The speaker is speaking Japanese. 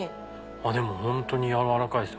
でもホントに柔らかいです。